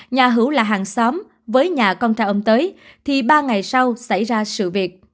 nhà hữu là hàng xóm với nhà con tra ông tới thì ba ngày sau xảy ra sự việc